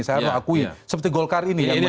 saya lakuin seperti golkar ini yang menarik